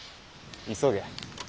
急げ！